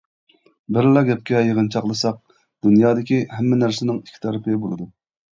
بىرلا گەپكە يىغىنچاقلىساق، دۇنيادىكى ھەممە نەرسىنىڭ ئىككى تەرىپى بولىدۇ.